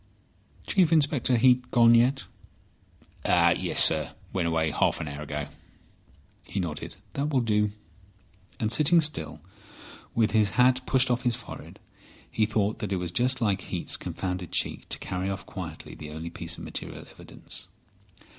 "Chief Inspector Heat gone yet?" "Yes, sir. Went away half an hour ago." He nodded. "That will do." And sitting still, with his hat pushed off his forehead, he thought that it was just like Heat's confounded cheek to carry off quietly the only piece of material evidence.